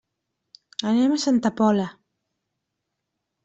Anem a Santa Pola.